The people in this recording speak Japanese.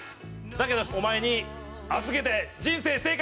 だけどお前に預けて人生正解でした！